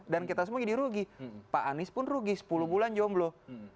dan kita semua jadi rugi pak anies pun rugi sepuluh bulan jomblo